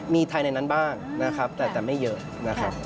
มีไทยในนั้นบ้างนะครับแต่จะไม่เยอะนะครับ